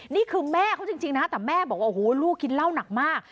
นี่คือแม่เขาจริงนะแต่แม่บอกว่าโอ้โหลูกกินเหล้าหนักมาก